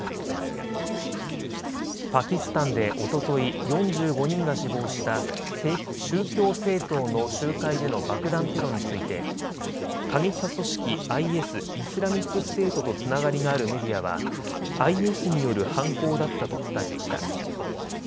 パキスタンでおととい４５人が死亡した宗教政党の集会での爆弾テロについて過激派組織ＩＳ・イスラミックステートとつながりがあるメディアはＩＳによる犯行だったと伝えました。